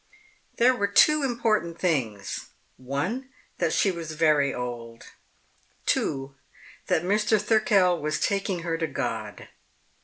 There were two important things one, that she was very old; two, that Mr. Thirkell was taking her to God.